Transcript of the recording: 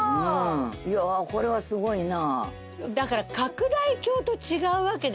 いやこれはすごいな。